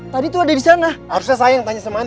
tadi tuh ada disana